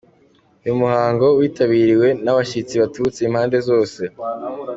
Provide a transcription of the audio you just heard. Uyu muhango witabiriwe n’ abashyitsi baturutse impande zose.